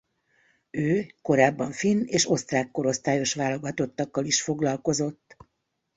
Ő korábban finn és osztrák korosztályos válogatottakkal is foglalkozott.